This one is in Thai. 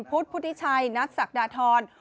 พุทธพุทธิชัยนัทศักดาทร